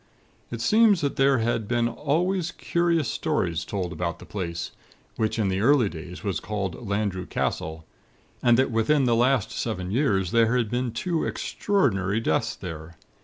It seems that there had been always curious stories told about the place, which in the early days was called Landru Castle, and that within the last seven years there had been two extraordinary deaths there.